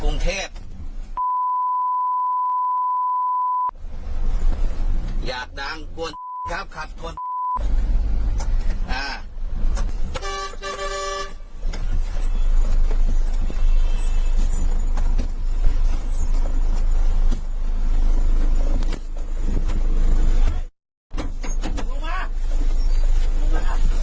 ลงมือลงมือลงมือ